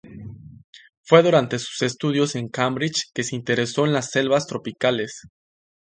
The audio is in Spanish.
Fue durante sus estudios en Cambridge que se interesó en las selvas tropicales.